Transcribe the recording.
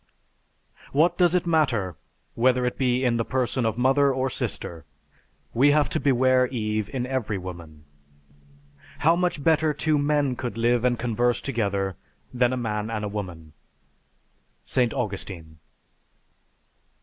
What does it matter whether it be in the person of mother or sister; we have to beware Eve in every woman. How much better two men could live and converse together than a man and a woman. ST. AUGUSTINE.